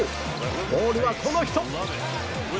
ボールはこの人！